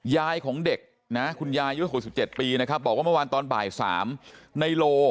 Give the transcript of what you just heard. ยายของเด็กนะคุณยายอายุ๖๗ปีนะครับบอกว่าเมื่อวานตอนบ่าย๓ในโล